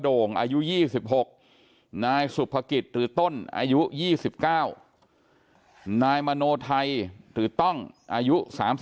โด่งอายุ๒๖นายสุภกิจหรือต้นอายุ๒๙นายมโนไทยหรือต้องอายุ๓๒